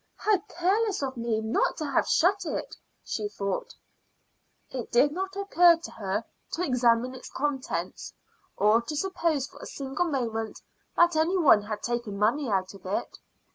"How careless of me not to have shut it!" she thought. It did not occur to her to examine its contents, or to suppose for a single moment that any one had taken money out of it.